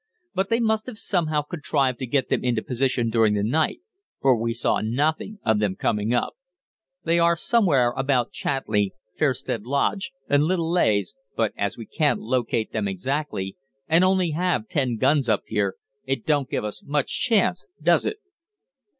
But they must have somehow contrived to get them into position during the night, for we saw nothing of them coming up. They are somewhere about Chatley, Fairstead Lodge, and Little Leighs, but as we can't locate them exactly, and only have ten guns up here, it don't give us much chance, does it?'